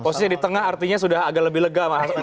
posisi di tengah artinya sudah agak lebih lega mas